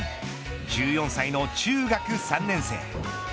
１４歳の中学３年生。